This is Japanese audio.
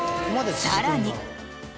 さらに。